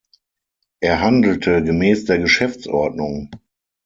Er handelte gemäß der Geschäftsordnung.